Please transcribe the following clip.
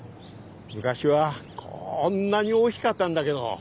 昔はこんなに大きかったんだけど。